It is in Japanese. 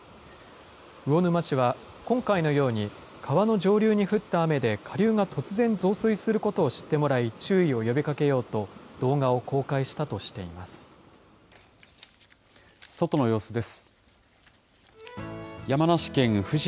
魚沼市は、今回のように川の上流に降った雨で、下流が突然増水することを知ってもらい、注意を呼びかけようと、外の様子です。